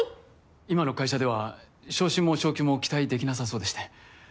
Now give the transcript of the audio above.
今の会社では昇進も昇給も期待できなさそうでして。